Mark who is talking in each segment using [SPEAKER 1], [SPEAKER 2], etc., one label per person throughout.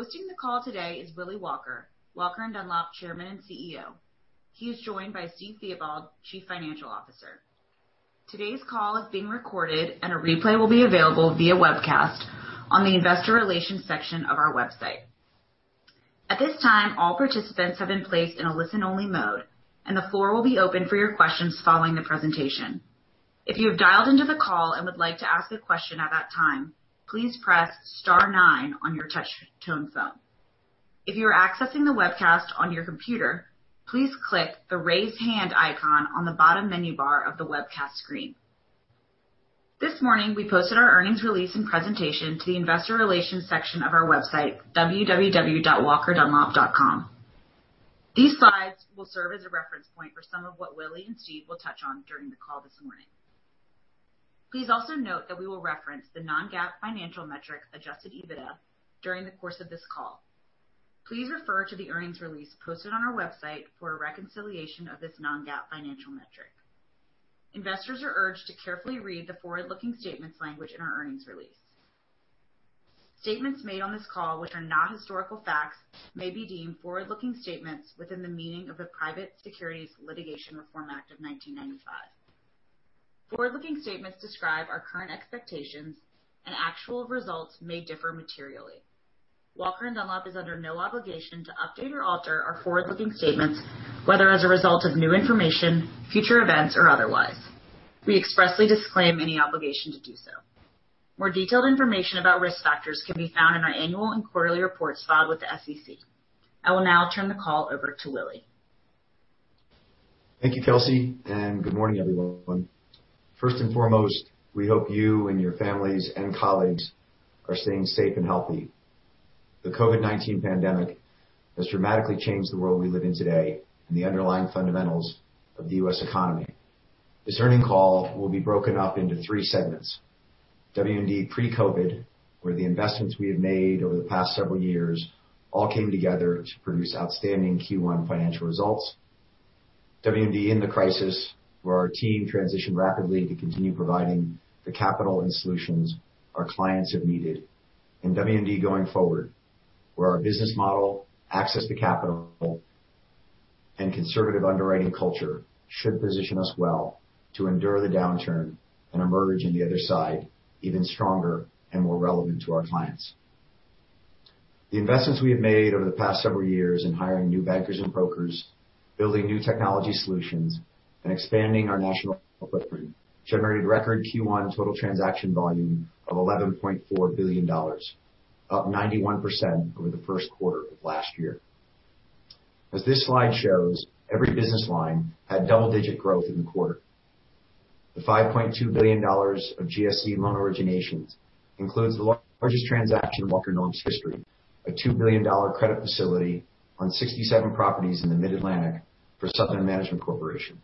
[SPEAKER 1] Hosting the call today is Willy Walker, Walker & Dunlop Chairman and CEO. He is joined by Steve Theobald, Chief Financial Officer. Today's call is being recorded, and a replay will be available via webcast on the Investor Relations section of our website. At this time, all participants have been placed in a listen-only mode, and the floor will be open for your questions following the presentation. If you have dialed into the call and would like to ask a question at that time, please press star nine on your touch tone phone. If you are accessing the webcast on your computer, please click the raise hand icon on the bottom menu bar of the webcast screen. This morning, we posted our earnings release and presentation to the Investor Relations section of our website, www.walkerdunlop.com. These slides will serve as a reference point for some of what Willy and Steve will touch on during the call this morning. Please also note that we will reference the non-GAAP financial metric, Adjusted EBITDA, during the course of this call. Please refer to the earnings release posted on our website for a reconciliation of this non-GAAP financial metric. Investors are urged to carefully read the forward-looking statements language in our earnings release. Statements made on this call, which are not historical facts, may be deemed forward-looking statements within the meaning of the Private Securities Litigation Reform Act of 1995. Forward-looking statements describe our current expectations, and actual results may differ materially. Walker & Dunlop is under no obligation to update or alter our forward-looking statements, whether as a result of new information, future events, or otherwise. We expressly disclaim any obligation to do so. More detailed information about risk factors can be found in our annual and quarterly reports filed with the SEC. I will now turn the call over to Willy.
[SPEAKER 2] Thank you, Kelsey, and good morning, everyone. First and foremost, we hope you and your families and colleagues are staying safe and healthy. The COVID-19 pandemic has dramatically changed the world we live in today and the underlying fundamentals of the U.S. economy. This earnings call will be broken up into three segments: W&D pre-COVID, where the investments we have made over the past several years all came together to produce outstanding Q1 financial results, W&D in the crisis, where our team transitioned rapidly to continue providing the capital and solutions our clients have needed, and W&D going forward, where our business model, access to capital, and conservative underwriting culture should position us well to endure the downturn and emerge on the other side even stronger and more relevant to our clients. The investments we have made over the past several years in hiring new bankers and brokers, building new technology solutions, and expanding our national footprint generated record Q1 total transaction volume of $11.4 billion, up 91% over the first quarter of last year. As this slide shows, every business line had double-digit growth in the quarter. The $5.2 billion of GSE loan originations includes the largest transaction in Walker & Dunlop's history, a $2 billion credit facility on 67 properties in the Mid-Atlantic for Southern Management Corporation.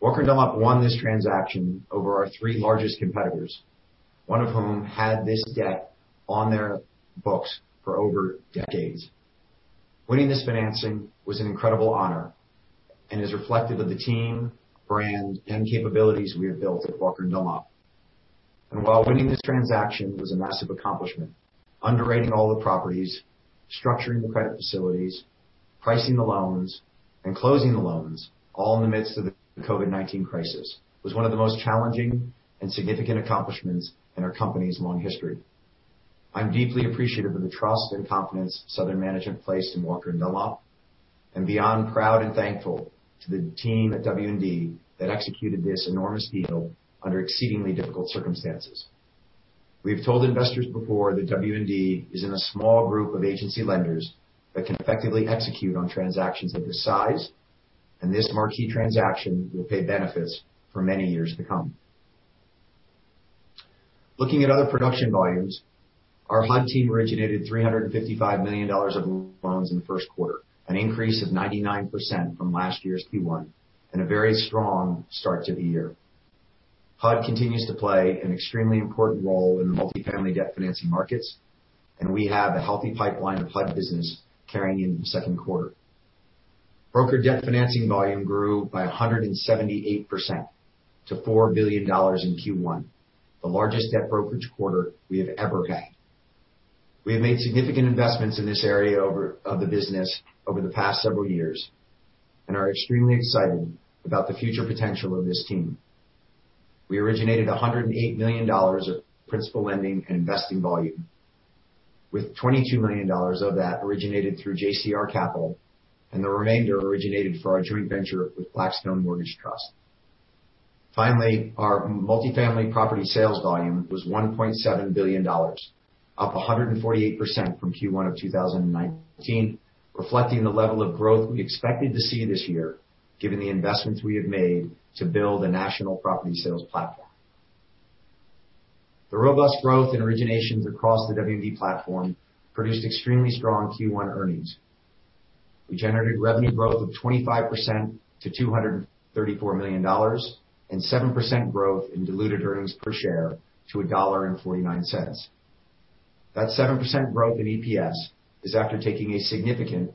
[SPEAKER 2] Walker & Dunlop won this transaction over our three largest competitors, one of whom had this debt on their books for over decades. Winning this financing was an incredible honor and is reflective of the team, brand, and capabilities we have built at Walker & Dunlop. While winning this transaction was a massive accomplishment, underwriting all the properties, structuring the credit facilities, pricing the loans, and closing the loans, all in the midst of the COVID-19 crisis, was one of the most challenging and significant accomplishments in our company's long history. I'm deeply appreciative of the trust and confidence Southern Management placed in Walker & Dunlop, and beyond proud and thankful to the team at W&D that executed this enormous deal under exceedingly difficult circumstances. We have told investors before that W&D is in a small group of agency lenders that can effectively execute on transactions of this size, and this marquee transaction will pay benefits for many years to come. Looking at other production volumes, our HUD team originated $355 million of loans in the first quarter, an increase of 99% from last year's Q1, and a very strong start to the year. HUD continues to play an extremely important role in the multifamily debt financing markets, and we have a healthy pipeline of HUD business carrying into the second quarter. Broker debt financing volume grew by 178% to $4 billion in Q1, the largest debt brokerage quarter we have ever had. We have made significant investments in this area of the business over the past several years and are extremely excited about the future potential of this team. We originated $108 million of principal lending and investing volume, with $22 million of that originated through JCR Capital, and the remainder originated for our joint venture with Blackstone Mortgage Trust. Finally, our multifamily property sales volume was $1.7 billion, up 148% from Q1 of 2019, reflecting the level of growth we expected to see this year given the investments we have made to build a national property sales platform. The robust growth and originations across the W&D platform produced extremely strong Q1 earnings. We generated revenue growth of 25% to $234 million and 7% growth in diluted earnings per share to $1.49. That 7% growth in EPS is after taking a significant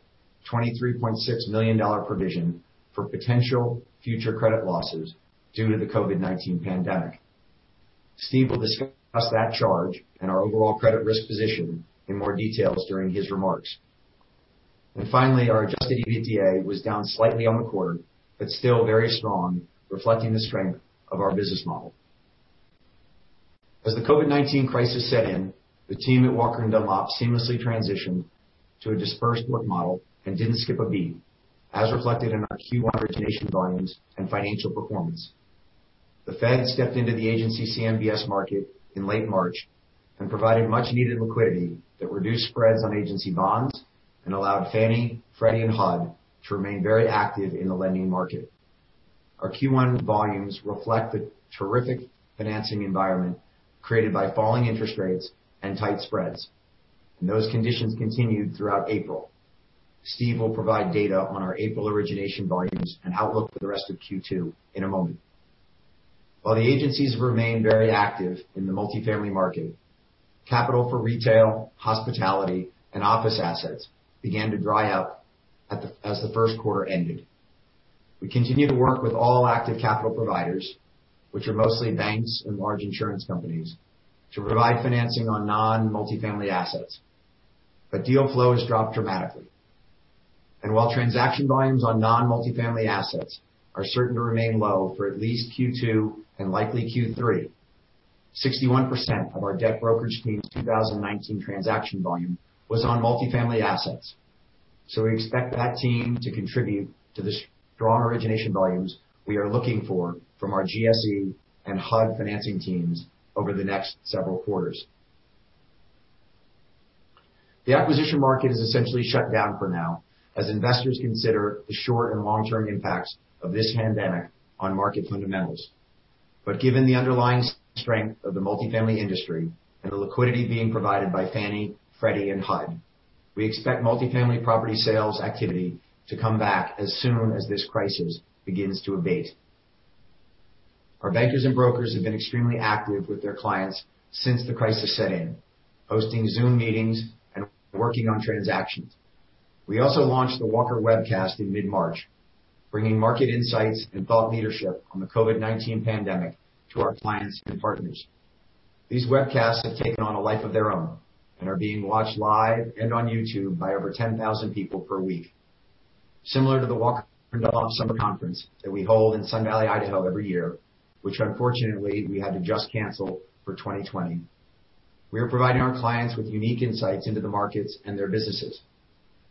[SPEAKER 2] $23.6 million provision for potential future credit losses due to the COVID-19 pandemic. Steve will discuss that charge and our overall credit risk position in more detail during his remarks. Finally, our Adjusted EBITDA was down slightly on the quarter, but still very strong, reflecting the strength of our business model. As the COVID-19 crisis set in, the team at Walker & Dunlop seamlessly transitioned to a dispersed work model and didn't skip a beat, as reflected in our Q1 origination volumes and financial performance. The Fed stepped into the Agency CMBS market in late March and provided much-needed liquidity that reduced spreads on agency bonds and allowed Fannie, Freddie, and HUD to remain very active in the lending market. Our Q1 volumes reflect the terrific financing environment created by falling interest rates and tight spreads, and those conditions continued throughout April. Steve will provide data on our April origination volumes and outlook for the rest of Q2 in a moment. While the agencies remain very active in the multifamily market, capital for retail, hospitality, and office assets began to dry up as the first quarter ended. We continue to work with all active capital providers, which are mostly banks and large insurance companies, to provide financing on non-multifamily assets, but deal flow has dropped dramatically. And while transaction volumes on non-multifamily assets are certain to remain low for at least Q2 and likely Q3, 61% of our debt brokerage team's 2019 transaction volume was on multifamily assets. So we expect that team to contribute to the strong origination volumes we are looking for from our GSE and HUD financing teams over the next several quarters. The acquisition market is essentially shut down for now as investors consider the short and long-term impacts of this pandemic on market fundamentals. But given the underlying strength of the multifamily industry and the liquidity being provided by Fannie, Freddie, and HUD, we expect multifamily property sales activity to come back as soon as this crisis begins to abate. Our bankers and brokers have been extremely active with their clients since the crisis set in, hosting Zoom meetings and working on transactions. We also launched the Walker Webcast in mid-March, bringing market insights and thought leadership on the COVID-19 pandemic to our clients and partners. These webcasts have taken on a life of their own and are being watched live and on YouTube by over 10,000 people per week. Similar to the Walker & Dunlop Summer Conference that we hold in Sun Valley, Idaho, every year, which unfortunately we had to just cancel for 2020, we are providing our clients with unique insights into the markets and their businesses.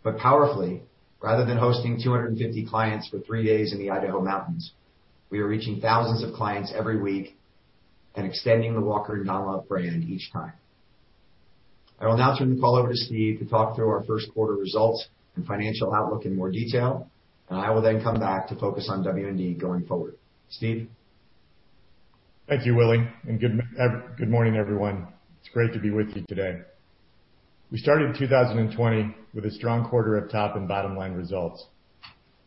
[SPEAKER 2] But powerfully, rather than hosting 250 clients for three days in the Idaho mountains, we are reaching thousands of clients every week and extending the Walker & Dunlop brand each time. I will now turn the call over to Steve to talk through our first quarter results and financial outlook in more detail, and I will then come back to focus on W&D going forward. Steve?
[SPEAKER 3] Thank you, Willy. Good morning, everyone. It's great to be with you today. We started 2020 with a strong quarter of top and bottom-line results.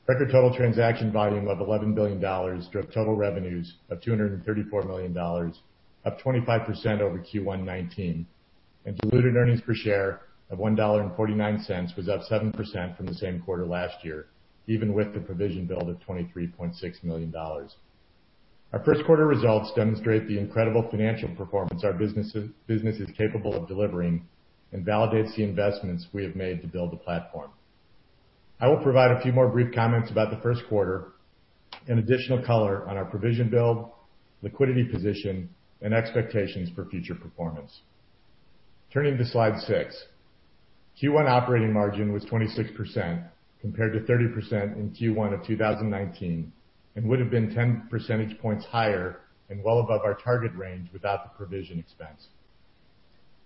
[SPEAKER 3] Record total transaction volume of $11 billion drove total revenues of $234 million, up 25% over Q1 2019, and diluted earnings per share of $1.49 was up 7% from the same quarter last year, even with the provision build of $23.6 million. Our first quarter results demonstrate the incredible financial performance our business is capable of delivering and validates the investments we have made to build the platform. I will provide a few more brief comments about the first quarter and additional color on our provision build, liquidity position, and expectations for future performance. Turning to slide six, Q1 operating margin was 26% compared to 30% in Q1 of 2019 and would have been 10 percentage points higher and well above our target range without the provision expense.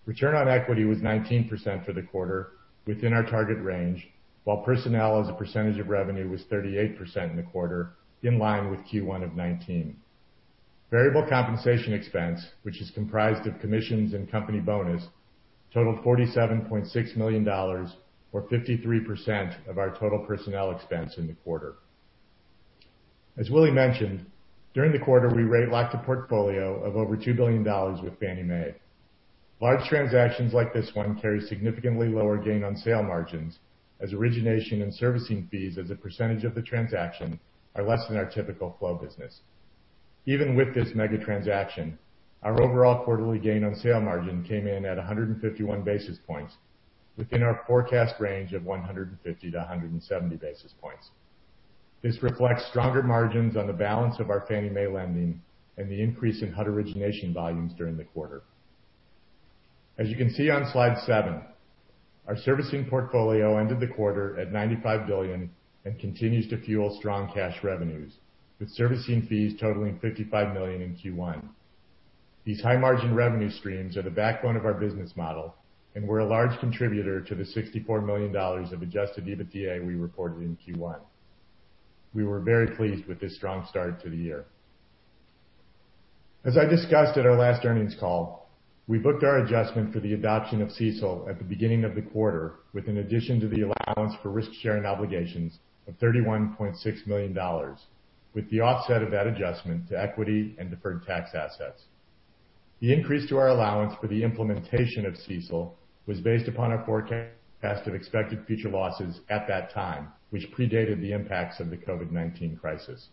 [SPEAKER 3] Return on equity was 19% for the quarter, within our target range, while personnel as a percentage of revenue was 38% in the quarter, in line with Q1 of 2019. Variable compensation expense, which is comprised of commissions and company bonus, totaled $47.6 million, or 53% of our total personnel expense in the quarter. As Willy mentioned, during the quarter, we originated a portfolio of over $2 billion with Fannie Mae. Large transactions like this one carry significantly lower gain on sale margins as origination and servicing fees as a percentage of the transaction are less than our typical flow business. Even with this mega transaction, our overall quarterly gain on sale margin came in at 151 basis points, within our forecast range of 150-170 basis points. This reflects stronger margins on the balance of our Fannie Mae lending and the increase in HUD origination volumes during the quarter. As you can see on slide seven, our servicing portfolio ended the quarter at $95 billion and continues to fuel strong cash revenues, with servicing fees totaling $55 million in Q1. These high-margin revenue streams are the backbone of our business model, and we're a large contributor to the $64 million of Adjusted EBITDA we reported in Q1. We were very pleased with this strong start to the year. As I discussed at our last earnings call, we booked our adjustment for the adoption of CECL at the beginning of the quarter, with an addition to the allowance for risk-sharing obligations of $31.6 million, with the offset of that adjustment to equity and deferred tax assets. The increase to our allowance for the implementation of CECL was based upon our forecast of expected future losses at that time, which predated the impacts of the COVID-19 crisis.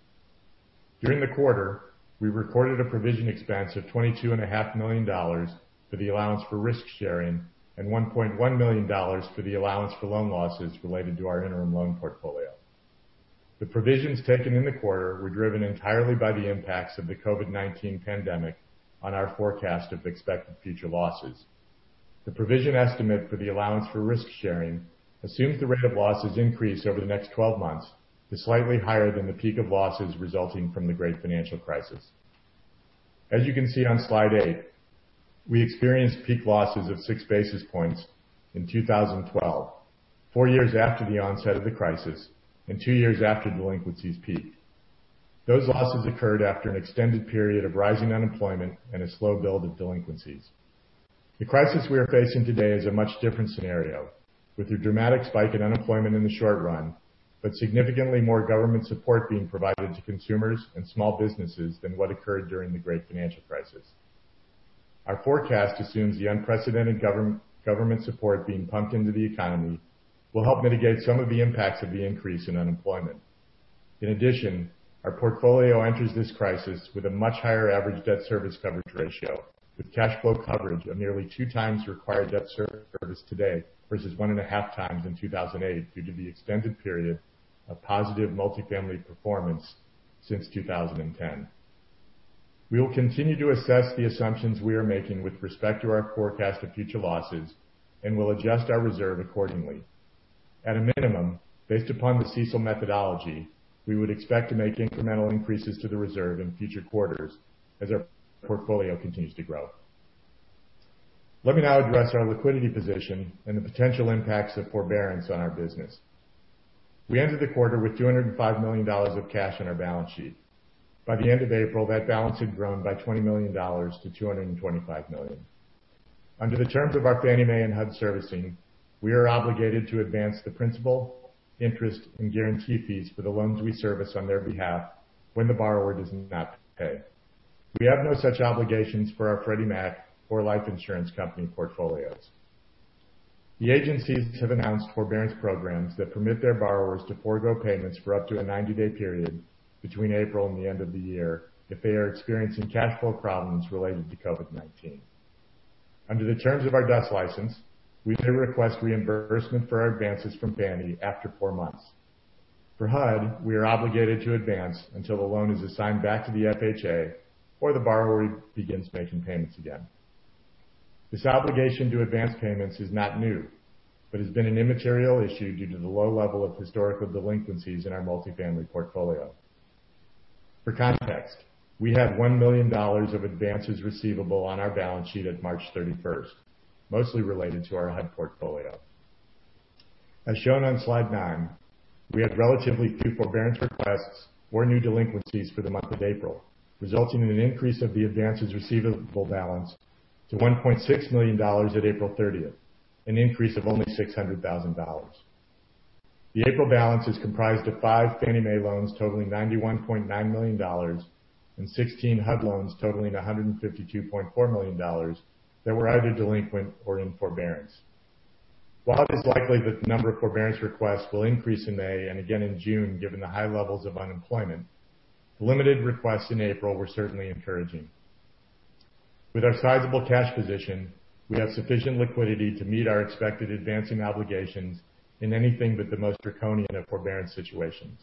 [SPEAKER 3] During the quarter, we recorded a provision expense of $22.5 million for the allowance for risk sharing and $1.1 million for the allowance for loan losses related to our interim loan portfolio. The provisions taken in the quarter were driven entirely by the impacts of the COVID-19 pandemic on our forecast of expected future losses. The provision estimate for the allowance for risk sharing assumed the rate of losses increase over the next 12 months is slightly higher than the peak of losses resulting from the Great Financial Crisis. As you can see on slide eight, we experienced peak losses of six basis points in 2012, four years after the onset of the crisis and two years after delinquencies peaked. Those losses occurred after an extended period of rising unemployment and a slow build of delinquencies. The crisis we are facing today is a much different scenario, with a dramatic spike in unemployment in the short run, but significantly more government support being provided to consumers and small businesses than what occurred during the Great Financial Crisis. Our forecast assumes the unprecedented government support being pumped into the economy will help mitigate some of the impacts of the increase in unemployment. In addition, our portfolio enters this crisis with a much higher average debt service coverage ratio, with cash flow coverage of nearly two times required debt service today versus one and a half times in 2008 due to the extended period of positive multifamily performance since 2010. We will continue to assess the assumptions we are making with respect to our forecast of future losses and will adjust our reserve accordingly. At a minimum, based upon the CECL methodology, we would expect to make incremental increases to the reserve in future quarters as our portfolio continues to grow. Let me now address our liquidity position and the potential impacts of forbearance on our business. We ended the quarter with $205 million of cash on our balance sheet. By the end of April, that balance had grown by $20 million to $225 million. Under the terms of our Fannie Mae and HUD servicing, we are obligated to advance the principal, interest, and guarantee fees for the loans we service on their behalf when the borrower does not pay. We have no such obligations for our Freddie Mac or life insurance company portfolios. The agencies have announced forbearance programs that permit their borrowers to forgo payments for up to a 90-day period between April and the end of the year if they are experiencing cash flow problems related to COVID-19. Under the terms of our DUS license, we may request reimbursement for our advances from Fannie after four months. For HUD, we are obligated to advance until the loan is assigned back to the FHA or the borrower begins making payments again. This obligation to advance payments is not new, but has been an immaterial issue due to the low level of historical delinquencies in our multifamily portfolio. For context, we had $1 million of advances receivable on our balance sheet at March 31st, mostly related to our HUD portfolio. As shown on slide nine, we had relatively few forbearance requests or new delinquencies for the month of April, resulting in an increase of the advances receivable balance to $1.6 million at April 30th, an increase of only $600,000. The April balance is comprised of five Fannie Mae loans totaling $91.9 million and 16 HUD loans totaling $152.4 million that were either delinquent or in forbearance. While it is likely that the number of forbearance requests will increase in May and again in June given the high levels of unemployment, the limited requests in April were certainly encouraging. With our sizable cash position, we have sufficient liquidity to meet our expected advancing obligations in anything but the most draconian of forbearance situations.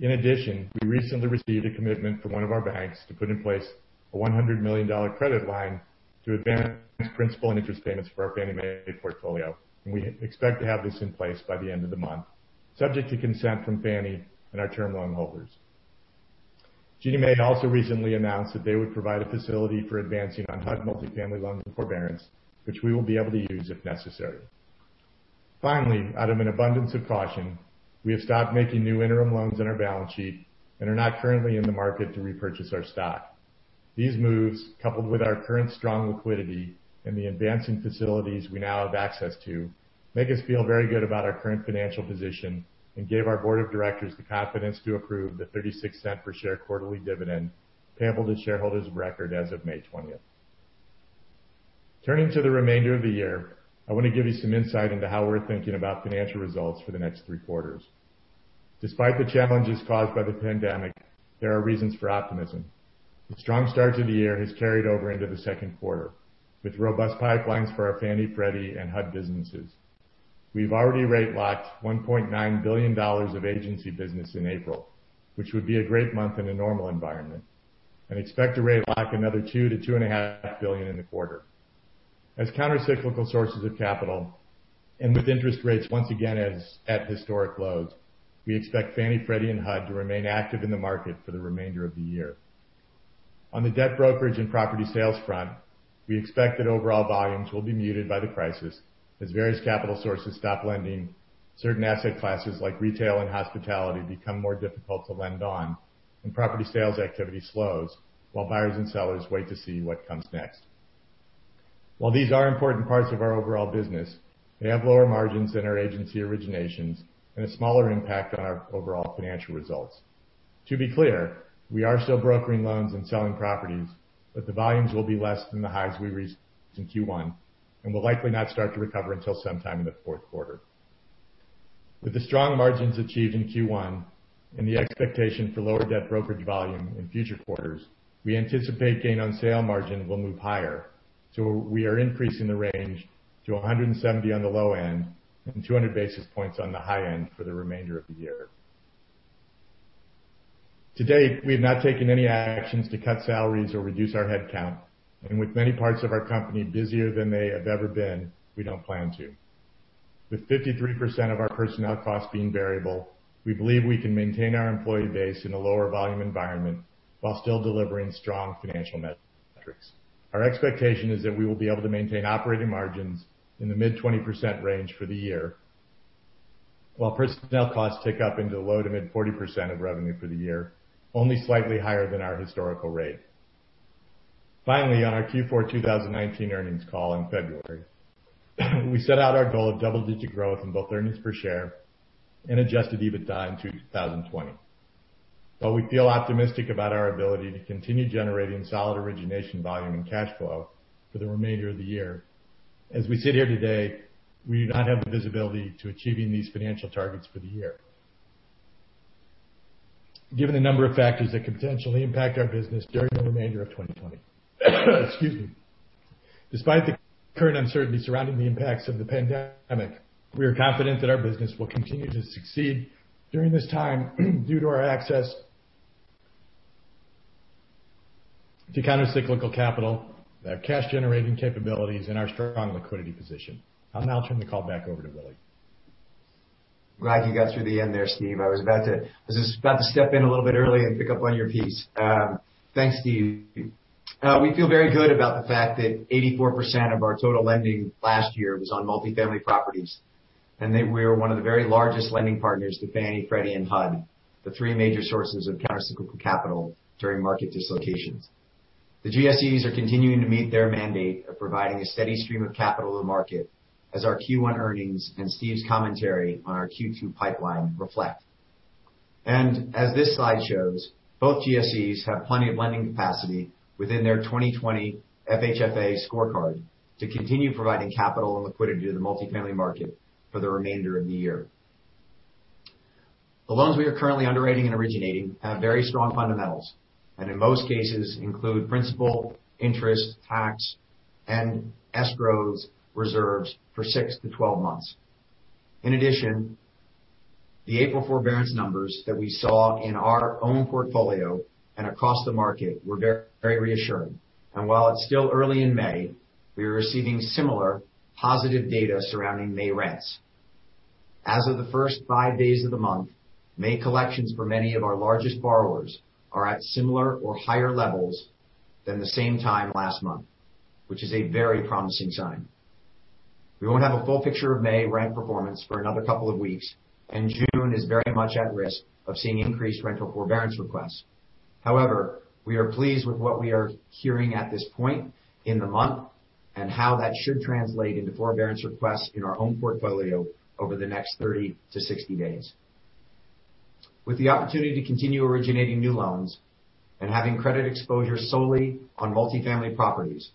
[SPEAKER 3] In addition, we recently received a commitment from one of our banks to put in place a $100 million credit line to advance principal and interest payments for our Fannie Mae portfolio, and we expect to have this in place by the end of the month, subject to consent from Fannie and our term loan holders. Ginnie Mae also recently announced that they would provide a facility for advancing on HUD multifamily loans and forbearance, which we will be able to use if necessary. Finally, out of an abundance of caution, we have stopped making new interim loans on our balance sheet and are not currently in the market to repurchase our stock. These moves, coupled with our current strong liquidity and the advancing facilities we now have access to, make us feel very good about our current financial position and gave our board of directors the confidence to approve the $0.36 per share quarterly dividend payable to shareholders of record as of May 20th. Turning to the remainder of the year, I want to give you some insight into how we're thinking about financial results for the next three quarters. Despite the challenges caused by the pandemic, there are reasons for optimism. The strong start to the year has carried over into the second quarter with robust pipelines for our Fannie, Freddie, and HUD businesses. We've already rate locked $1.9 billion of agency business in April, which would be a great month in a normal environment, and expect to rate lock another $2-$2.5 billion in the quarter. As countercyclical sources of capital and with interest rates once again at historic lows, we expect Fannie, Freddie, and HUD to remain active in the market for the remainder of the year. On the debt brokerage and property sales front, we expect that overall volumes will be muted by the crisis as various capital sources stop lending, certain asset classes like retail and hospitality become more difficult to lend on, and property sales activity slows while buyers and sellers wait to see what comes next. While these are important parts of our overall business, they have lower margins than our agency originations and a smaller impact on our overall financial results. To be clear, we are still brokering loans and selling properties, but the volumes will be less than the highs we reached in Q1 and will likely not start to recover until sometime in the fourth quarter. With the strong margins achieved in Q1 and the expectation for lower debt brokerage volume in future quarters, we anticipate gain on sale margin will move higher, so we are increasing the range to 170-200 basis points on the low end and high end for the remainder of the year. To date, we have not taken any actions to cut salaries or reduce our headcount, and with many parts of our company busier than they have ever been, we don't plan to. With 53% of our personnel costs being variable, we believe we can maintain our employee base in a lower volume environment while still delivering strong financial metrics. Our expectation is that we will be able to maintain operating margins in the mid-20% range for the year while personnel costs tick up into the low to mid-40% of revenue for the year, only slightly higher than our historical rate. Finally, on our Q4 2019 earnings call in February, we set out our goal of double-digit growth in both earnings per share and Adjusted EBITDA in 2020. While we feel optimistic about our ability to continue generating solid origination volume and cash flow for the remainder of the year, as we sit here today, we do not have the visibility to achieving these financial targets for the year, given a number of factors that could potentially impact our business during the remainder of 2020. Excuse me. Despite the current uncertainty surrounding the impacts of the pandemic, we are confident that our business will continue to succeed during this time due to our access to countercyclical capital, our cash-generating capabilities, and our strong liquidity position. I'll now turn the call back over to Willy.
[SPEAKER 2] Glad you got through the end there, Steve. I was about to step in a little bit early and pick up on your piece. Thanks, Steve. We feel very good about the fact that 84% of our total lending last year was on multifamily properties, and we were one of the very largest lending partners to Fannie, Freddie, and HUD, the three major sources of countercyclical capital during market dislocations. The GSEs are continuing to meet their mandate of providing a steady stream of capital to the market as our Q1 earnings and Steve's commentary on our Q2 pipeline reflect. And as this slide shows, both GSEs have plenty of lending capacity within their 2020 FHFA scorecard to continue providing capital and liquidity to the multifamily market for the remainder of the year. The loans we are currently underwriting and originating have very strong fundamentals and, in most cases, include principal, interest, tax, and escrows reserved for six to 12 months. In addition, the April forbearance numbers that we saw in our own portfolio and across the market were very reassuring. And while it's still early in May, we are receiving similar positive data surrounding May rents. As of the first five days of the month, May collections for many of our largest borrowers are at similar or higher levels than the same time last month, which is a very promising sign. We won't have a full picture of May rent performance for another couple of weeks, and June is very much at risk of seeing increased rental forbearance requests. However, we are pleased with what we are hearing at this point in the month and how that should translate into forbearance requests in our own portfolio over the next 30-60 days. With the opportunity to continue originating new loans and having credit exposure solely on multifamily properties,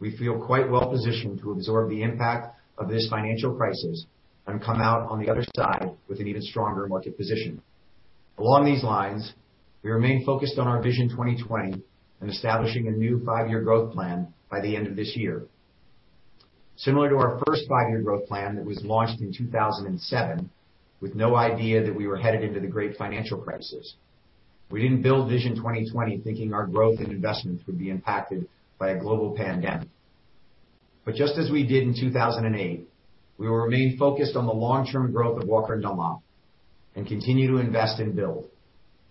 [SPEAKER 2] we feel quite well positioned to absorb the impact of this financial crisis and come out on the other side with an even stronger market position. Along these lines, we remain focused on our Vision 2020 and establishing a new five-year growth plan by the end of this year. Similar to our first five-year growth plan that was launched in 2007, with no idea that we were headed into the Great Financial Crisis, we didn't build Vision 2020 thinking our growth and investments would be impacted by a global pandemic. But just as we did in 2008, we will remain focused on the long-term growth of Walker & Dunlop and continue to invest and build.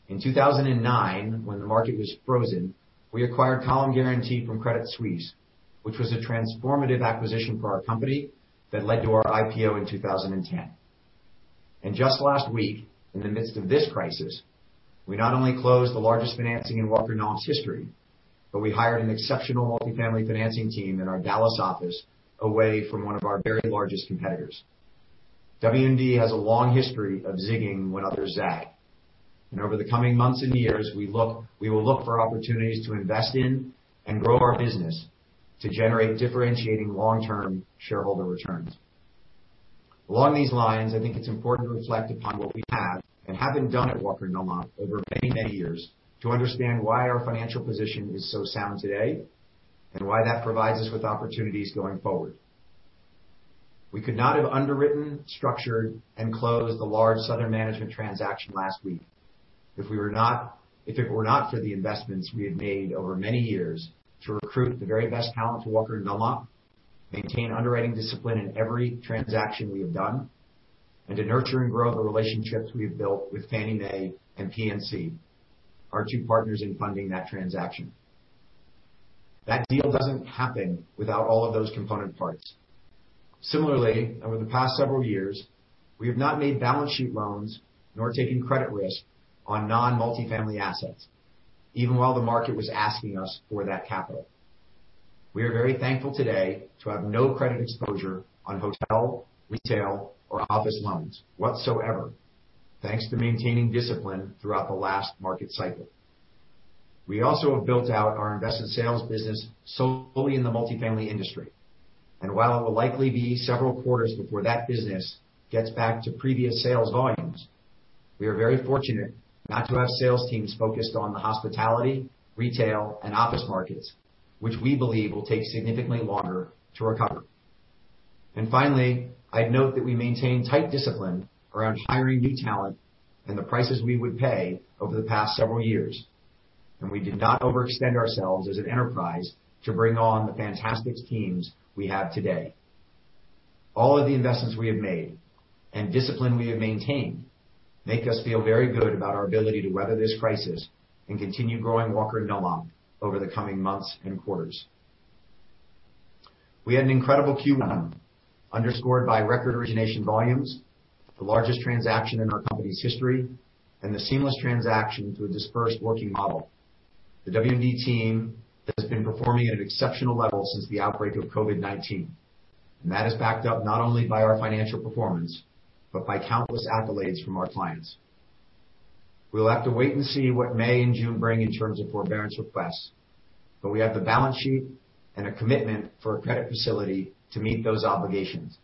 [SPEAKER 2] In 2009, when the market was frozen, we acquired Column Guaranteed from Credit Suisse, which was a transformative acquisition for our company that led to our IPO in 2010. And just last week, in the midst of this crisis, we not only closed the largest financing in Walker & Dunlop's history, but we hired an exceptional multifamily financing team in our Dallas office away from one of our very largest competitors. W&D has a long history of zigging when others zag. Over the coming months and years, we will look for opportunities to invest in and grow our business to generate differentiating long-term shareholder returns. Along these lines, I think it's important to reflect upon what we have and haven't done at Walker & Dunlop over many, many years to understand why our financial position is so sound today and why that provides us with opportunities going forward. We could not have underwritten, structured, and closed the large Southern Management transaction last week if it were not for the investments we had made over many years to recruit the very best talent to Walker & Dunlop, maintain underwriting discipline in every transaction we have done, and to nurture and grow the relationships we have built with Fannie Mae and Freddie Mac, our two partners in funding that transaction. That deal doesn't happen without all of those component parts. Similarly, over the past several years, we have not made balance sheet loans nor taken credit risk on non-multifamily assets, even while the market was asking us for that capital. We are very thankful today to have no credit exposure on hotel, retail, or office loans whatsoever, thanks to maintaining discipline throughout the last market cycle. We also have built out our investment sales business solely in the multifamily industry. And while it will likely be several quarters before that business gets back to previous sales volumes, we are very fortunate not to have sales teams focused on the hospitality, retail, and office markets, which we believe will take significantly longer to recover. Finally, I'd note that we maintained tight discipline around hiring new talent and the prices we would pay over the past several years, and we did not overextend ourselves as an enterprise to bring on the fantastic teams we have today. All of the investments we have made and discipline we have maintained make us feel very good about our ability to weather this crisis and continue growing Walker & Dunlop over the coming months and quarters. We had an incredible Q1 underscored by record origination volumes, the largest transaction in our company's history, and the seamless transition to a dispersed working model. The W&D team has been performing at an exceptional level since the outbreak of COVID-19, and that is backed up not only by our financial performance but by countless accolades from our clients. We will have to wait and see what May and June bring in terms of forbearance requests, but we have the balance sheet and a commitment for a credit facility to meet those obligations,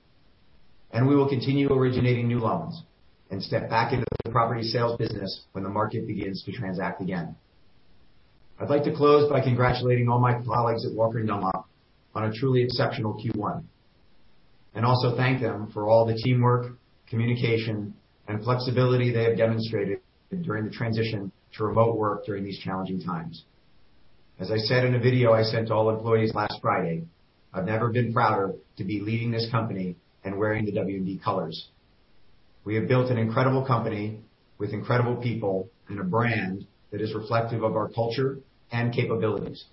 [SPEAKER 2] and we will continue originating new loans and step back into the property sales business when the market begins to transact again. I'd like to close by congratulating all my colleagues at Walker & Dunlop on a truly exceptional Q1 and also thank them for all the teamwork, communication, and flexibility they have demonstrated during the transition to remote work during these challenging times. As I said in a video I sent to all employees last Friday, I've never been prouder to be leading this company and wearing the W&D colors. We have built an incredible company with incredible people and a brand that is reflective of our culture and capabilities,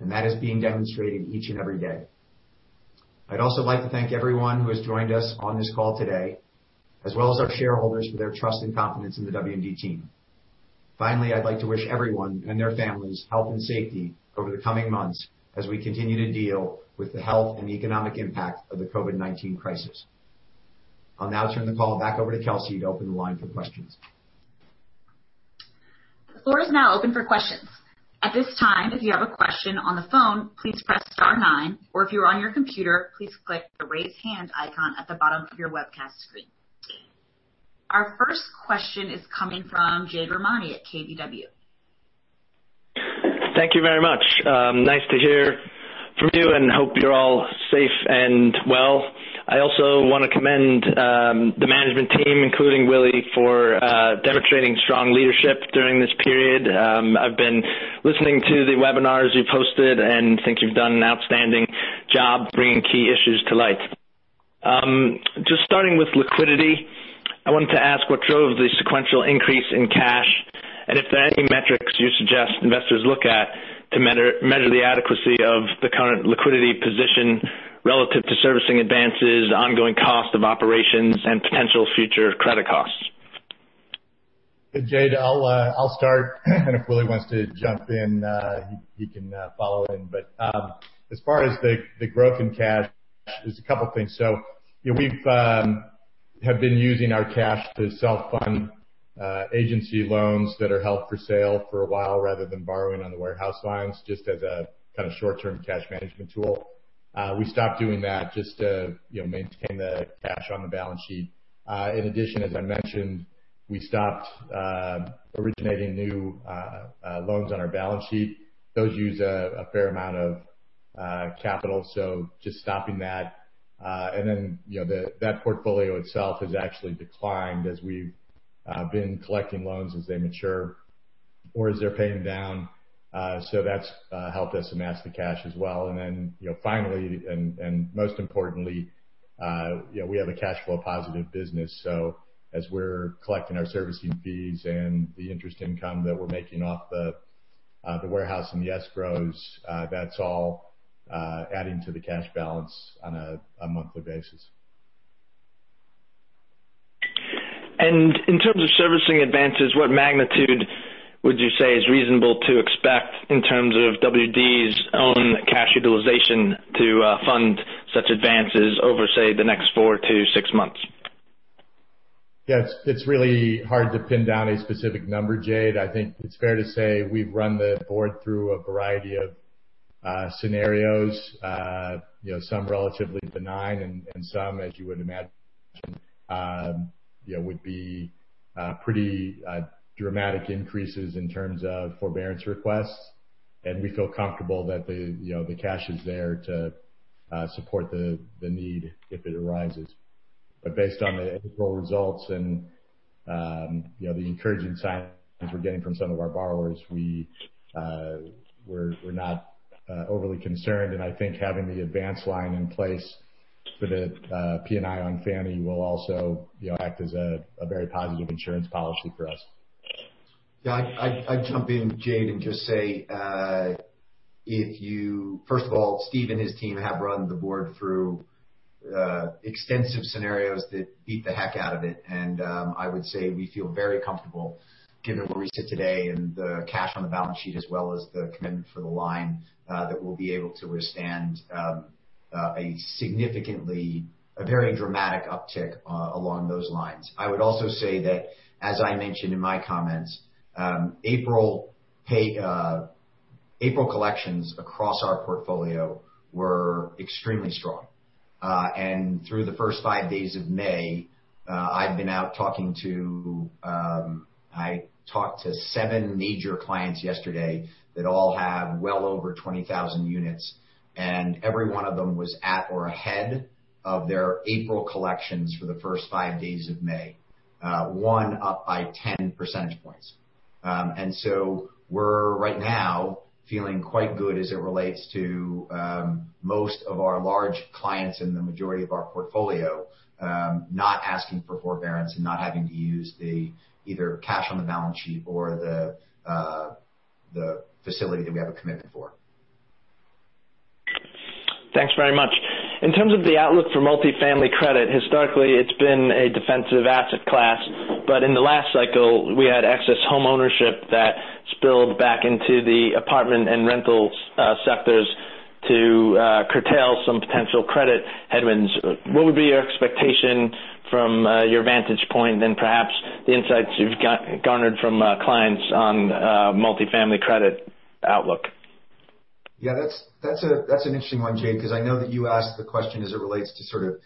[SPEAKER 2] and that is being demonstrated each and every day. I'd also like to thank everyone who has joined us on this call today, as well as our shareholders for their trust and confidence in the W&D team. Finally, I'd like to wish everyone and their families health and safety over the coming months as we continue to deal with the health and economic impact of the COVID-19 crisis. I'll now turn the call back over to Kelsey to open the line for questions.
[SPEAKER 1] The floor is now open for questions. At this time, if you have a question on the phone, please press star nine, or if you're on your computer, please click the raise hand icon at the bottom of your webcast screen. Our first question is coming from Jade Rahmani at KBW.
[SPEAKER 4] Thank you very much. Nice to hear from you and hope you're all safe and well. I also want to commend the management team, including Willy, for demonstrating strong leadership during this period. I've been listening to the webinars you've hosted and think you've done an outstanding job bringing key issues to light. Just starting with liquidity, I wanted to ask what drove the sequential increase in cash and if there are any metrics you suggest investors look at to measure the adequacy of the current liquidity position relative to servicing advances, ongoing cost of operations, and potential future credit costs.
[SPEAKER 3] Jade, I'll start, and if Willy wants to jump in, he can follow in. But as far as the growth in cash, there's a couple of things. So we have been using our cash to self-fund agency loans that are held for sale for a while rather than borrowing on the warehouse lines just as a kind of short-term cash management tool. We stopped doing that just to maintain the cash on the balance sheet. In addition, as I mentioned, we stopped originating new loans on our balance sheet. Those use a fair amount of capital, so just stopping that. And then that portfolio itself has actually declined as we've been collecting loans as they mature or as they're paying down. So that's helped us amass the cash as well. And then finally, and most importantly, we have a cash flow positive business. So as we're collecting our servicing fees and the interest income that we're making off the warehouse and the escrows, that's all adding to the cash balance on a monthly basis. In terms of servicing advances, what magnitude would you say is reasonable to expect in terms of W&D's own cash utilization to fund such advances over, say, the next four to six months? Yeah, it's really hard to pin down a specific number, Jade. I think it's fair to say we've run the board through a variety of scenarios, some relatively benign and some, as you would imagine, would be pretty dramatic increases in terms of forbearance requests. We feel comfortable that the cash is there to support the need if it arises. But based on the interval results and the encouraging signs we're getting from some of our borrowers, we're not overly concerned. I think having the advance line in place for the P&I on Fannie will also act as a very positive insurance policy for us.
[SPEAKER 2] Yeah, I'd jump in, Jade, and just say, first of all, Steve and his team have run the board through extensive scenarios that beat the heck out of it. And I would say we feel very comfortable given where we sit today and the cash on the balance sheet as well as the commitment for the line that we'll be able to withstand a significantly, a very dramatic uptick along those lines. I would also say that, as I mentioned in my comments, April collections across our portfolio were extremely strong. And through the first five days of May, I've been out talking to—I talked to seven major clients yesterday that all have well over 20,000 units. And every one of them was at or ahead of their April collections for the first five days of May, one up by 10 percentage points. And so we're right now feeling quite good as it relates to most of our large clients and the majority of our portfolio not asking for forbearance and not having to use either cash on the balance sheet or the facility that we have a commitment for.
[SPEAKER 4] Thanks very much. In terms of the outlook for multifamily credit, historically, it's been a defensive asset class. But in the last cycle, we had excess homeownership that spilled back into the apartment and rental sectors to curtail some potential credit headwinds. What would be your expectation from your vantage point and perhaps the insights you've garnered from clients on multifamily credit outlook?
[SPEAKER 3] Yeah, that's an interesting one, Jade, because I know that you asked the question as it relates to sort of,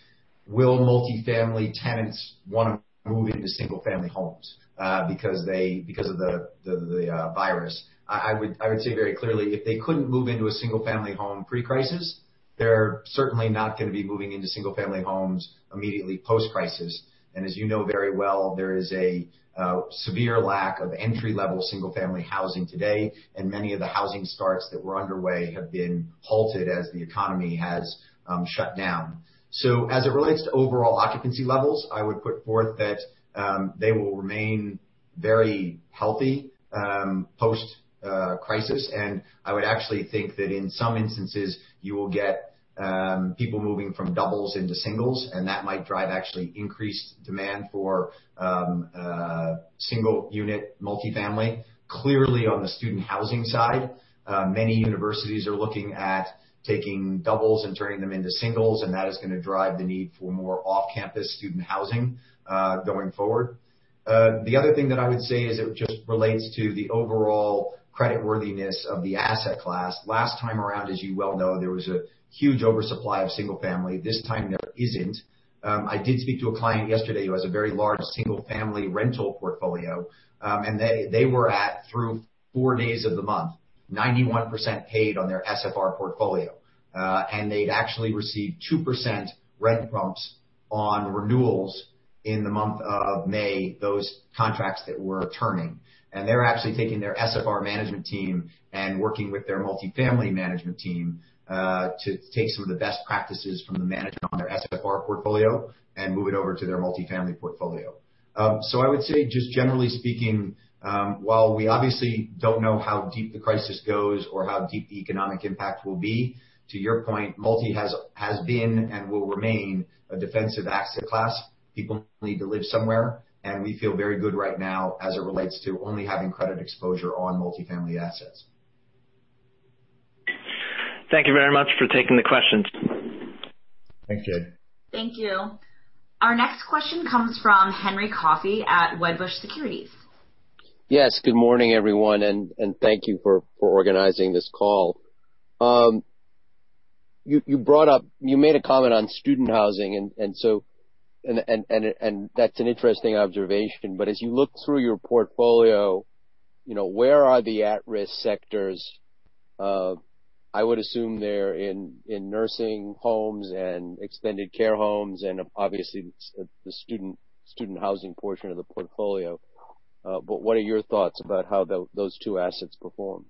[SPEAKER 3] will multifamily tenants want to move into single-family homes because of the virus? I would say very clearly, if they couldn't move into a single-family home pre-crisis, they're certainly not going to be moving into single-family homes immediately post-crisis. And as you know very well, there is a severe lack of entry-level single-family housing today, and many of the housing starts that were underway have been halted as the economy has shut down. So as it relates to overall occupancy levels, I would put forth that they will remain very healthy post-crisis. And I would actually think that in some instances, you will get people moving from doubles into singles, and that might drive actually increased demand for single-unit multifamily. Clearly, on the student housing side, many universities are looking at taking doubles and turning them into singles, and that is going to drive the need for more off-campus student housing going forward. The other thing that I would say is it just relates to the overall creditworthiness of the asset class. Last time around, as you well know, there was a huge oversupply of single-family. This time, there isn't. I did speak to a client yesterday who has a very large single-family rental portfolio, and they were at, through four days of the month, 91% paid on their SFR portfolio. And they'd actually received 2% rent bumps on renewals in the month of May, those contracts that were turning. And they're actually taking their SFR management team and working with their multifamily management team to take some of the best practices from the management on their SFR portfolio and move it over to their multifamily portfolio. So I would say, just generally speaking, while we obviously don't know how deep the crisis goes or how deep the economic impact will be, to your point, multi has been and will remain a defensive asset class. People need to live somewhere, and we feel very good right now as it relates to only having credit exposure on multifamily assets.
[SPEAKER 4] Thank you very much for taking the questions.
[SPEAKER 3] Thanks, Jade.
[SPEAKER 1] Thank you. Our next question comes from Henry Coffey at Wedbush Securities.
[SPEAKER 5] Yes, good morning, everyone, and thank you for organizing this call. You made a comment on student housing, and that's an interesting observation. But as you look through your portfolio, where are the at-risk sectors? I would assume they're in nursing homes and extended care homes and obviously the student housing portion of the portfolio. But what are your thoughts about how those two assets perform?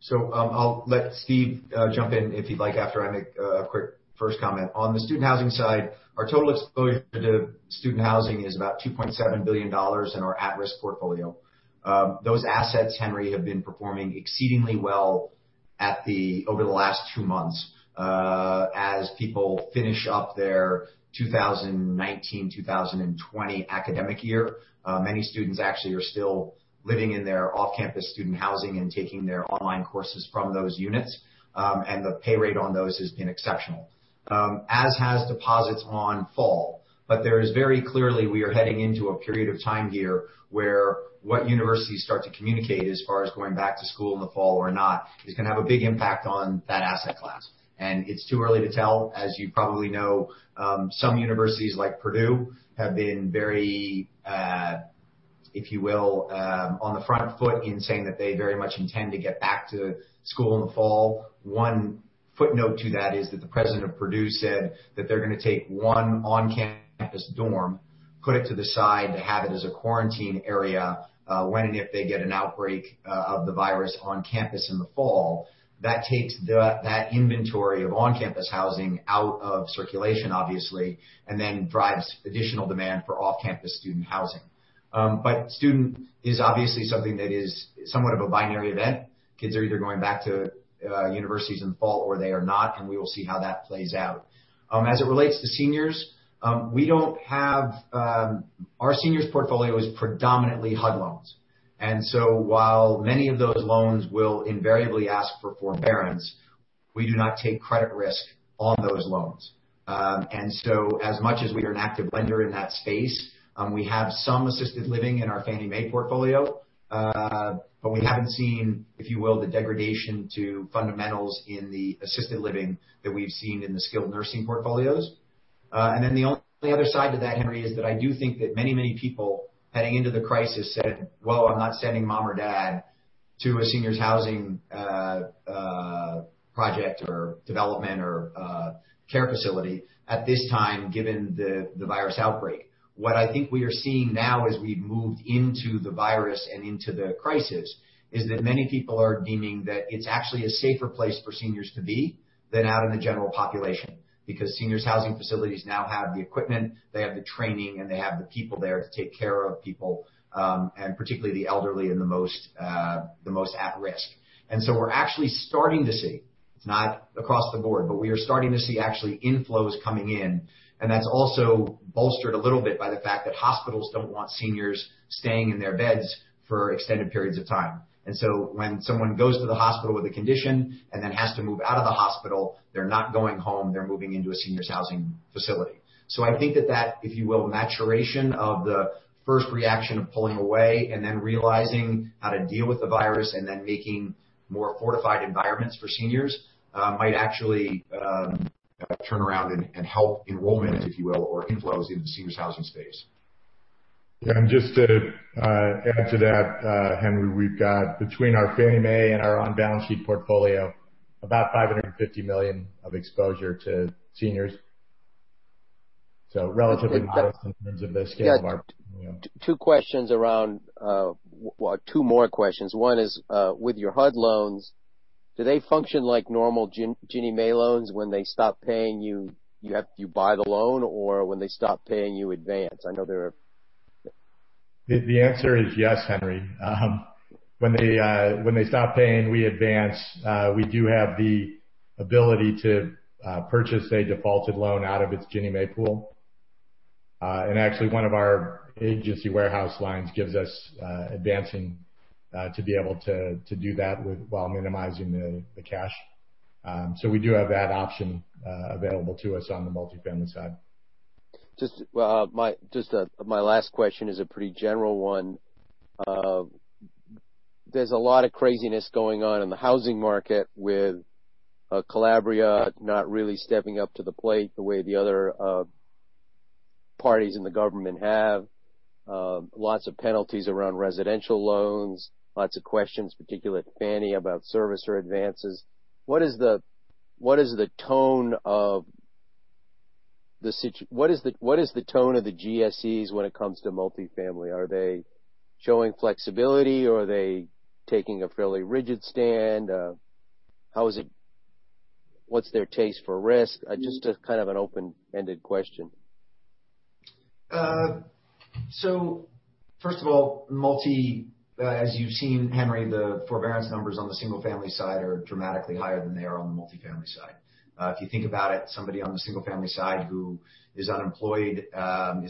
[SPEAKER 2] So I'll let Steve jump in if he'd like after I make a quick first comment. On the student housing side, our total exposure to student housing is about $2.7 billion in our at-risk portfolio. Those assets, Henry, have been performing exceedingly well over the last two months as people finish up their 2019, 2020 academic year. Many students actually are still living in their off-campus student housing and taking their online courses from those units, and the pay rate on those has been exceptional, as has deposits on fall. But there is very clearly, we are heading into a period of time here where what universities start to communicate as far as going back to school in the fall or not is going to have a big impact on that asset class. And it's too early to tell. As you probably know, some universities like Purdue have been very, if you will, on the front foot in saying that they very much intend to get back to school in the fall. One footnote to that is that the president of Purdue said that they're going to take one on-campus dorm, put it to the side to have it as a quarantine area when and if they get an outbreak of the virus on campus in the fall. That takes that inventory of on-campus housing out of circulation, obviously, and then drives additional demand for off-campus student housing. But student is obviously something that is somewhat of a binary event. Kids are either going back to universities in the fall or they are not, and we will see how that plays out. As it relates to seniors, we don't have. Our seniors' portfolio is predominantly HUD loans. And so while many of those loans will invariably ask for forbearance, we do not take credit risk on those loans. And so as much as we are an active lender in that space, we have some assisted living in our Fannie Mae portfolio, but we haven't seen, if you will, the degradation to fundamentals in the assisted living that we've seen in the skilled nursing portfolios. And then the only other side to that, Henry, is that I do think that many, many people heading into the crisis said, "Well, I'm not sending mom or dad to a seniors' housing project or development or care facility at this time given the virus outbreak." What I think we are seeing now as we've moved into the virus and into the crisis is that many people are deeming that it's actually a safer place for seniors to be than out in the general population because seniors' housing facilities now have the equipment, they have the training, and they have the people there to take care of people, and particularly the elderly and the most at risk. And so we're actually starting to see. It's not across the board, but we are starting to see actually inflows coming in. That's also bolstered a little bit by the fact that hospitals don't want seniors staying in their beds for extended periods of time. And so when someone goes to the hospital with a condition and then has to move out of the hospital, they're not going home. They're moving into a seniors' housing facility. So I think that that, if you will, maturation of the first reaction of pulling away and then realizing how to deal with the virus and then making more fortified environments for seniors might actually turn around and help enrollment, if you will, or inflows into the seniors' housing space.
[SPEAKER 3] Yeah, and just to add to that, Henry, we've got between our Fannie Mae and our on-balance sheet portfolio, about $550 million of exposure to seniors. So relatively modest in terms of the scale of our portfolio.
[SPEAKER 5] Well, two more questions. One is, with your HUD loans, do they function like normal Ginnie Mae loans? When they stop paying, you buy the loan, or when they stop paying, you advance?
[SPEAKER 3] The answer is yes, Henry. When they stop paying, we advance. We do have the ability to purchase a defaulted loan out of its Ginnie Mae pool. And actually, one of our agency warehouse lines gives us advancing to be able to do that while minimizing the cash. So we do have that option available to us on the multifamily side. Just my last question is a pretty general one.
[SPEAKER 5] There's a lot of craziness going on in the housing market with Calabria not really stepping up to the plate the way the other parties in the government have. Lots of penalties around residential loans, lots of questions, particularly at Fannie about servicer advances. What is the tone of the GSEs when it comes to multifamily? Are they showing flexibility, or are they taking a fairly rigid stand? What's their taste for risk? Just a kind of an open-ended question.
[SPEAKER 2] So first of all, multi, as you've seen, Henry, the forbearance numbers on the single-family side are dramatically higher than they are on the multifamily side. If you think about it, somebody on the single-family side who is unemployed is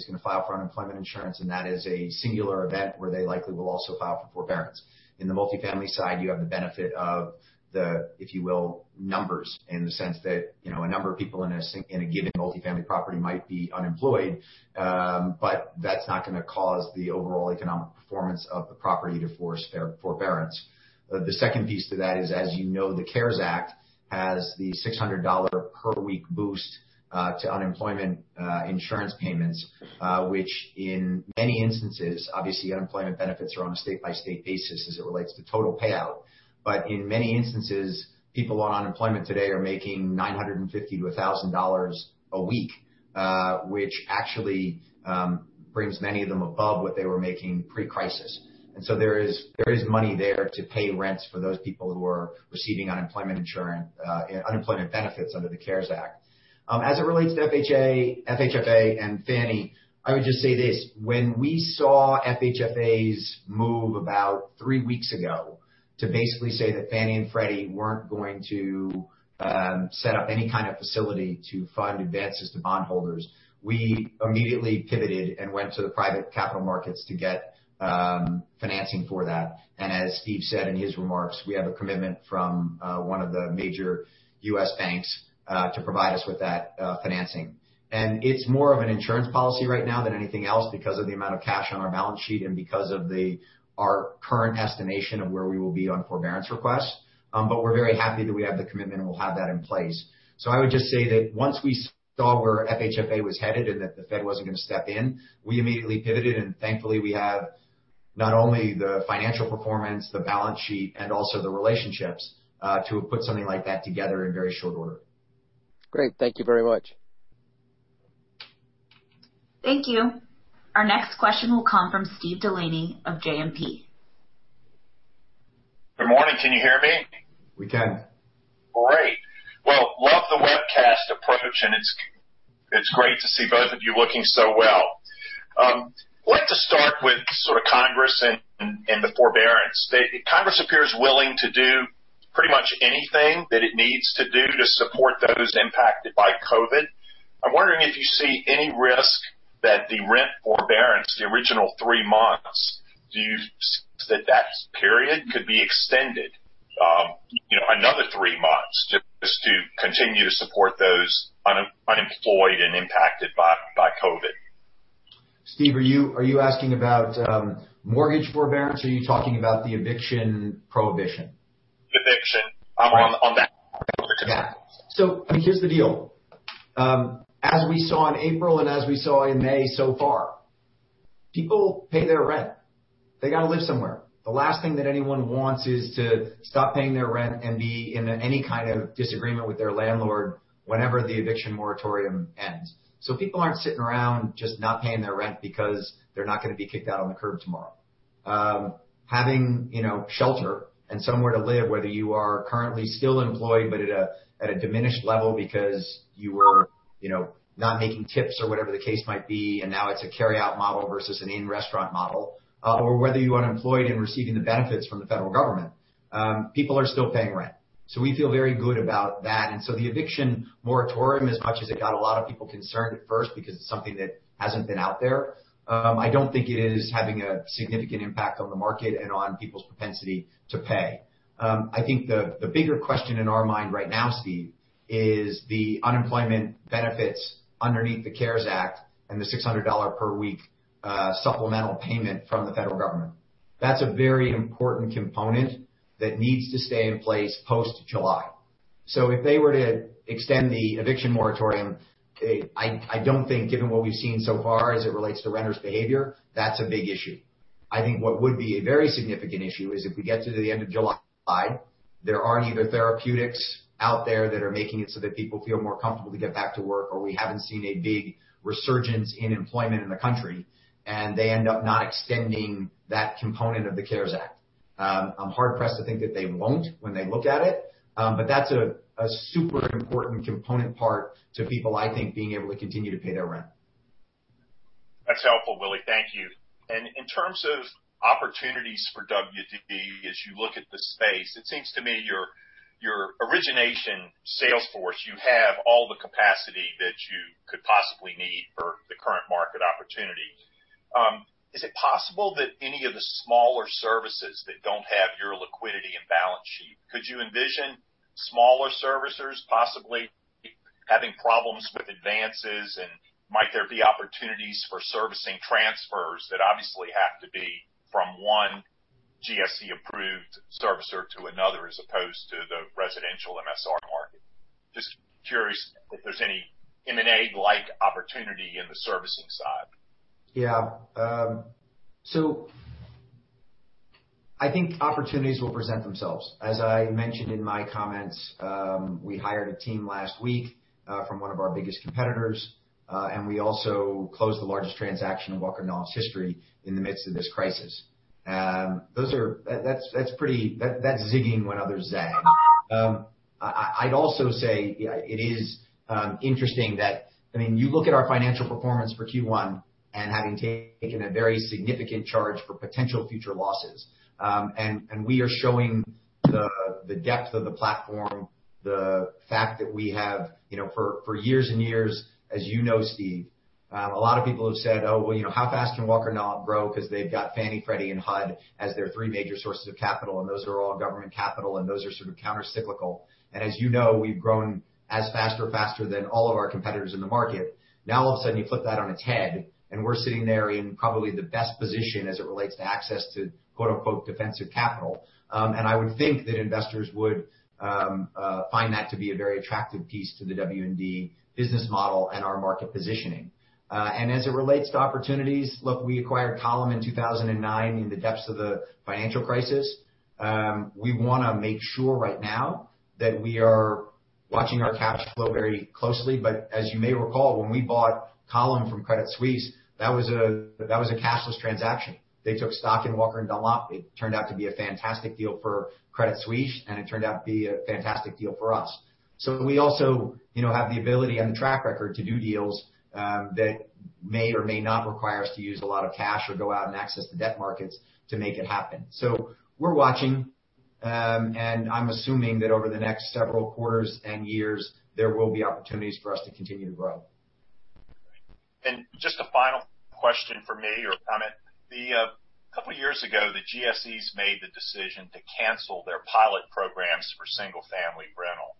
[SPEAKER 2] going to file for unemployment insurance, and that is a singular event where they likely will also file for forbearance. In the multifamily side, you have the benefit of the, if you will, numbers in the sense that a number of people in a given multifamily property might be unemployed, but that's not going to cause the overall economic performance of the property to force forbearance. The second piece to that is, as you know, the CARES Act has the $600 per week boost to unemployment insurance payments, which in many instances, obviously, unemployment benefits are on a state-by-state basis as it relates to total payout. But in many instances, people on unemployment today are making $950-$1,000 a week, which actually brings many of them above what they were making pre-crisis. And so there is money there to pay rents for those people who are receiving unemployment benefits under the CARES Act. As it relates to FHA, FHFA, and Fannie, I would just say this: when we saw FHFA's move about three weeks ago to basically say that Fannie and Freddie weren't going to set up any kind of facility to fund advances to bondholders, we immediately pivoted and went to the private capital markets to get financing for that. And as Steve said in his remarks, we have a commitment from one of the major U.S. banks to provide us with that financing. And it's more of an insurance policy right now than anything else because of the amount of cash on our balance sheet and because of our current estimation of where we will be on forbearance requests. But we're very happy that we have the commitment and we'll have that in place. So I would just say that once we saw where FHFA was headed and that the Fed wasn't going to step in, we immediately pivoted, and thankfully, we have not only the financial performance, the balance sheet, and also the relationships to have put something like that together in very short order.
[SPEAKER 5] Great. Thank you very much.
[SPEAKER 1] Thank you. Our next question will come from Steven DeLaney of JMP.
[SPEAKER 6] Good morning. Can you hear me?
[SPEAKER 2] We can.
[SPEAKER 6] Great. Well, love the webcast approach, and it's great to see both of you looking so well. I'd like to start with sort of Congress and the forbearance. Congress appears willing to do pretty much anything that it needs to do to support those impacted by COVID. I'm wondering if you see any risk that the rent forbearance, the original three months, do you see that that period could be extended another three months just to continue to support those unemployed and impacted by COVID?
[SPEAKER 2] Steve, are you asking about mortgage forbearance, or are you talking about the eviction prohibition?
[SPEAKER 6] Eviction. I'm on that.
[SPEAKER 2] So here's the deal. As we saw in April and as we saw in May so far, people pay their rent. They got to live somewhere. The last thing that anyone wants is to stop paying their rent and be in any kind of disagreement with their landlord whenever the eviction moratorium ends. So people aren't sitting around just not paying their rent because they're not going to be kicked out on the curb tomorrow. Having shelter and somewhere to live, whether you are currently still employed but at a diminished level because you were not making tips or whatever the case might be, and now it's a carry-out model versus an in-restaurant model, or whether you are unemployed and receiving the benefits from the federal government, people are still paying rent. So we feel very good about that. And so the eviction moratorium, as much as it got a lot of people concerned at first because it's something that hasn't been out there, I don't think it is having a significant impact on the market and on people's propensity to pay. I think the bigger question in our mind right now, Steve, is the unemployment benefits underneath the CARES Act and the $600 per week supplemental payment from the federal government. That's a very important component that needs to stay in place post-July. So if they were to extend the eviction moratorium, I don't think, given what we've seen so far as it relates to renters' behavior, that's a big issue. I think what would be a very significant issue is if we get to the end of July, there aren't either therapeutics out there that are making it so that people feel more comfortable to get back to work, or we haven't seen a big resurgence in employment in the country, and they end up not extending that component of the CARES Act. I'm hard-pressed to think that they won't when they look at it, but that's a super important component part to people, I think, being able to continue to pay their rent.
[SPEAKER 6] That's helpful, Willy. Thank you. And in terms of opportunities for W&D, as you look at the space, it seems to me your origination sales force, you have all the capacity that you could possibly need for the current market opportunity.
[SPEAKER 3] Is it possible that any of the smaller servicers that don't have your liquidity and balance sheet? Could you envision smaller servicers possibly having problems with advances, and might there be opportunities for servicing transfers that obviously have to be from one GSE-approved servicer to another as opposed to the residential MSR market? Just curious if there's any M&A-like opportunity in the servicing side.
[SPEAKER 2] Yeah. So I think opportunities will present themselves. As I mentioned in my comments, we hired a team last week from one of our biggest competitors, and we also closed the largest transaction in Walker & Dunlop's history in the midst of this crisis. That's zigging when others zag. I'd also say it is interesting that, I mean, you look at our financial performance for Q1 and having taken a very significant charge for potential future losses. We are showing the depth of the platform, the fact that we have for years and years, as you know, Steve, a lot of people have said, "Oh, well, how fast can Walker & Dunlop grow because they've got Fannie, Freddie, and HUD as their three major sources of capital, and those are all government capital, and those are sort of countercyclical?" And as you know, we've grown as fast or faster than all of our competitors in the market. Now, all of a sudden, you flip that on its head, and we're sitting there in probably the best position as it relates to access to "defensive capital." And I would think that investors would find that to be a very attractive piece to the W&D business model and our market positioning. And as it relates to opportunities, look, we acquired Column in 2009 in the depths of the financial crisis. We want to make sure right now that we are watching our cash flow very closely. But as you may recall, when we bought Column from Credit Suisse, that was a cashless transaction. They took stock in Walker & Dunlop. It turned out to be a fantastic deal for Credit Suisse, and it turned out to be a fantastic deal for us. So we also have the ability and the track record to do deals that may or may not require us to use a lot of cash or go out and access the debt markets to make it happen. So we're watching, and I'm assuming that over the next several quarters and years, there will be opportunities for us to continue to grow.
[SPEAKER 6] Just a final question or comment from me. A couple of years ago, the GSEs made the decision to cancel their pilot programs for single-family rental.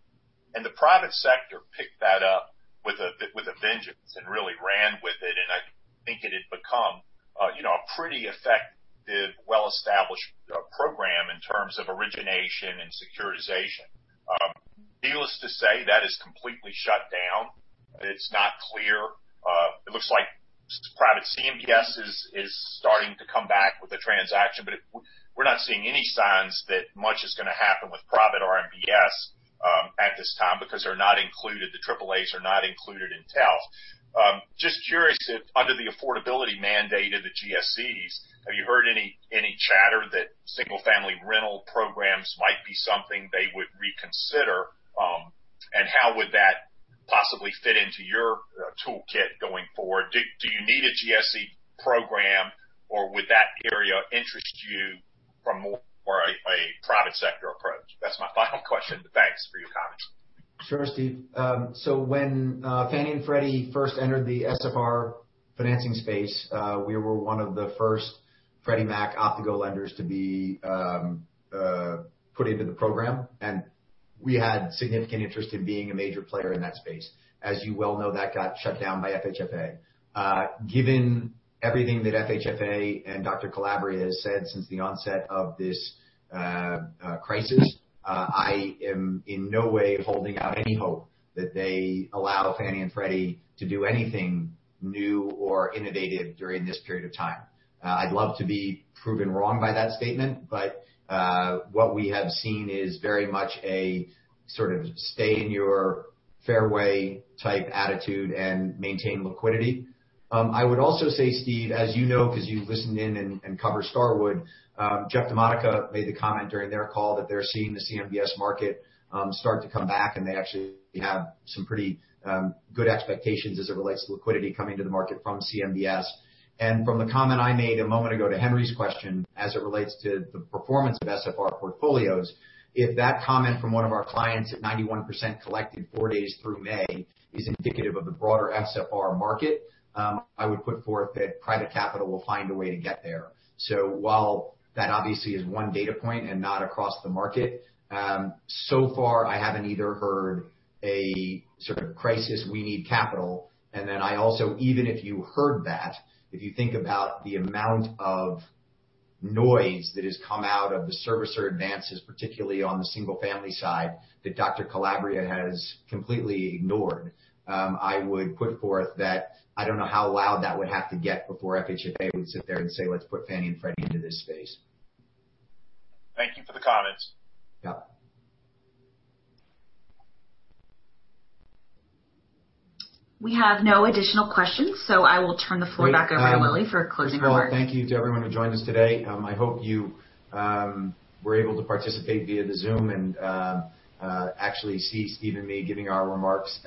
[SPEAKER 6] The private sector picked that up with a vengeance and really ran with it. I think it had become a pretty effective, well-established program in terms of origination and securitization. Needless to say, that has completely shut down. It's not clear. It looks like private CMBS is starting to come back with a transaction, but we're not seeing any signs that much is going to happen with private RMBS at this time because they're not included. The AAAs are not included in TALF. Just curious if, under the affordability mandate of the GSEs, you have heard any chatter that single-family rental programs might be something they would reconsider, and how would that possibly fit into your toolkit going forward? Do you need a GSE program, or would that area interest you from more a private sector approach? That's my final question. Thanks for your comments.
[SPEAKER 2] Sure, Steve. So when Fannie and Freddie first entered the SFR financing space, we were one of the first Freddie Mac approved lenders to be put into the program, and we had significant interest in being a major player in that space. As you well know, that got shut down by FHFA. Given everything that FHFA and Dr. Calabria has said since the onset of this crisis, I am in no way holding out any hope that they allow Fannie and Freddie to do anything new or innovative during this period of time. I'd love to be proven wrong by that statement, but what we have seen is very much a sort of stay-in-your-fairway-type attitude and maintain liquidity. I would also say, Steve, as you know, because you've listened in and covered Starwood, Jeff DiModica made the comment during their call that they're seeing the CMBS market start to come back, and they actually have some pretty good expectations as it relates to liquidity coming to the market from CMBS, and from the comment I made a moment ago to Henry's question, as it relates to the performance of SFR portfolios, if that comment from one of our clients at 91% collected four days through May is indicative of the broader SFR market, I would put forth that private capital will find a way to get there. So while that obviously is one data point and not across the market, so far, I haven't either heard a sort of crisis, "We need capital." And then I also, even if you heard that, if you think about the amount of noise that has come out of the servicer advances, particularly on the single-family side, that Dr. Calabria has completely ignored, I would put forth that I don't know how loud that would have to get before FHFA would sit there and say, "Let's put Fannie and Freddie into this space."
[SPEAKER 6] Thank you for the comments.
[SPEAKER 2] Yeah.
[SPEAKER 1] We have no additional questions, so I will turn the floor back over to Willy for closing remarks.
[SPEAKER 2] Well, thank you to everyone who joined us today. I hope you were able to participate via the Zoom and actually see Steve and me giving our remarks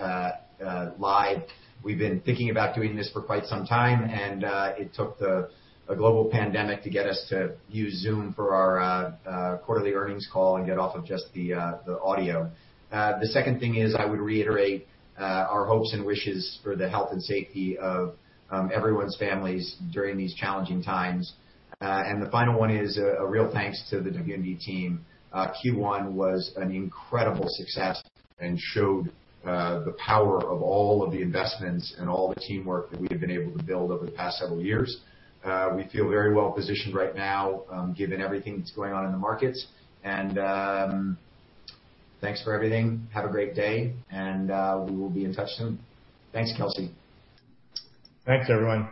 [SPEAKER 2] live. We've been thinking about doing this for quite some time, and it took a global pandemic to get us to use Zoom for our quarterly earnings call and get off of just the audio. The second thing is I would reiterate our hopes and wishes for the health and safety of everyone's families during these challenging times. And the final one is a real thanks to the W&D team. Q1 was an incredible success and showed the power of all of the investments and all the teamwork that we have been able to build over the past several years. We feel very well-positioned right now given everything that's going on in the markets. And thanks for everything. Have a great day, and we will be in touch soon. Thanks, Kelsey. Thanks, everyone.